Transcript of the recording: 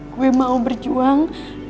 gue mau berjuang